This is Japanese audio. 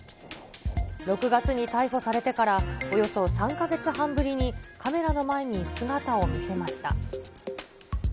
６月に逮捕されてからおよそ３か月半ぶりにカメラの前に姿を見せました。